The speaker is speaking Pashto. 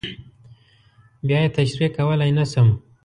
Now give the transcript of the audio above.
بیا یې تشریح کولی نه شم.